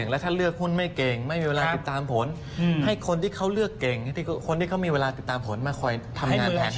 แล้วถ้าเลือกหุ้นไม่เก่งไม่มีเวลาติดตามผลให้คนที่เขาเลือกเก่งคนที่เขามีเวลาติดตามผลมาคอยทำงานแทน